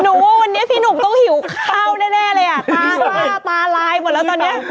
ว่าวันนี้พี่หนุ่มต้องหิวข้าวแน่เลยอ่ะตาซ่าตาลายหมดแล้วตอนนี้